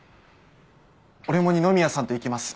俺も二宮さんと行きます。